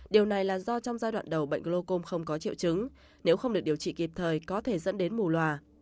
điều này là do trong giai đoạn đầu bệnh glocom không có triệu chứng nếu không được điều trị kịp thời có thể dẫn đến mù loà